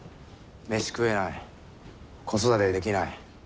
飯食えない子育てできない。